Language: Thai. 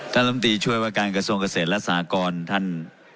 ลำตีช่วยว่าการกระทรวงเกษตรและสากรท่าน